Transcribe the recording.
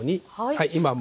はい。